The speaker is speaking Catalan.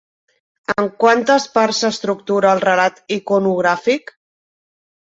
En quantes parts s'estructura el relat iconogràfic?